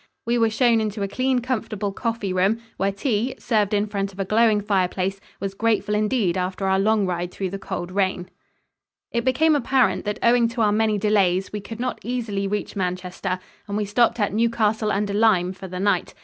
We were shown into a clean, comfortable coffee room, where tea, served in front of a glowing fire place, was grateful indeed after our long ride through the cold rain. [Illustration: THE THREE SPIRES OF LICHFIELD. From Photograph.] It became apparent that owing to our many delays, we could not easily reach Manchester, and we stopped at Newcastle under Lyme for the night.